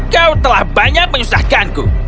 kau telah banyak menyusahkanku